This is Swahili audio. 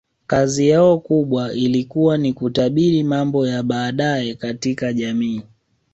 Kazi yao kubwa ilikuwa ni kutabiri mambo ya baadaye katika jamii